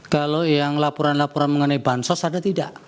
kalau yang laporan laporan mengenai bansos ada tidak